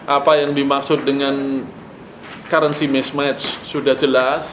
apa yang dimaksud dengan currency mismatch sudah jelas